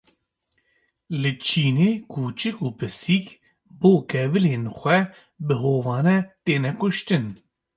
Li Çînê kûçik û pisîk, bo kevilên xwe bi hovane tên kuştin